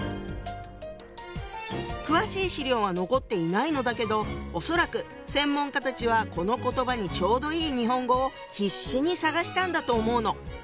詳しい資料は残っていないのだけど恐らく専門家たちはこの言葉にちょうどいい日本語を必死に探したんだと思うの。